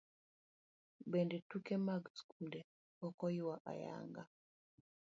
Bende tuke mag skunde pok oyaw ayanga.